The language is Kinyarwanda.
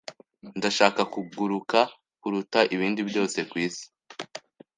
Ndashaka kuguruka kuruta ibindi byose kwisi.